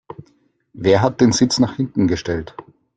Wer hat den Sitz nach hinten gestellt?